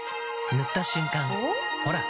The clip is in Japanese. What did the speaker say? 塗った瞬間おっ？